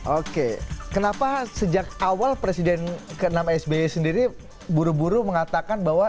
oke kenapa sejak awal presiden ke enam sby sendiri buru buru mengatakan bahwa